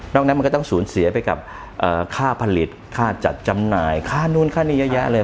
นั้นมันก็ต้องสูญเสียไปกับค่าผลิตค่าจัดจำหน่ายค่านู้นค่านี้เยอะแยะเลย